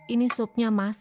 ini supnya mas